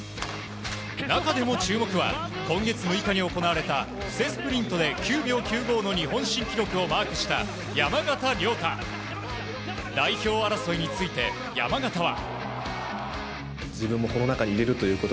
中でも注目は今月６日に行われた布勢スプリントで、９秒９５の日本新記録をマークした山縣亮太。代表争について山縣は。